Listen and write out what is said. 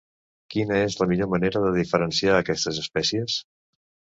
Quina és la millor manera de diferenciar aquestes espècies?